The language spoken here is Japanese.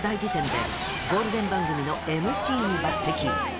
で、ゴールデン番組のＭＣに抜てき。